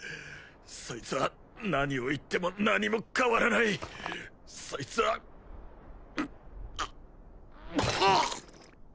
そいつは何を言っても何も変わらないそいつはがはっ！